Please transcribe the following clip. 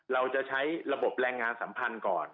เราจะใช้ระบบแรงงานสัมพันธ์ก่อน